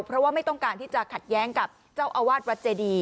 เพราะว่าไม่ต้องการที่จะขัดแย้งกับเจ้าอาวาสวัดเจดี